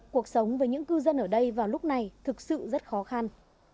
cuộc sống với những cư dân ở đây vào lúc này thực sự rất khó khăn